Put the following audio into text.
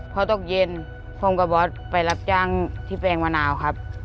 พอตกเย็นผมกับบอสไปรับจ้างที่แปลงมะนาวครับ